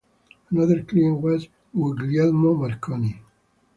Another client was Guglielmo Marconi.